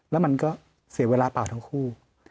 แล้วมันก็เสียเวลาเปล่าทั้งคู่